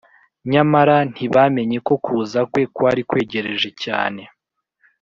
; nyamara ntibamenye ko kuza kwe kwari kwegereje cyane